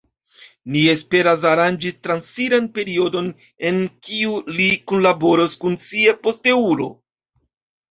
Ni esperas aranĝi transiran periodon en kiu li kunlaboros kun sia posteulo.